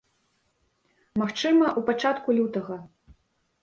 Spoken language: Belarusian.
Магчыма, у пачатку лютага.